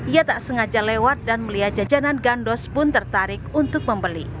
ia tak sengaja lewat dan melihat jajanan gandos pun tertarik untuk membeli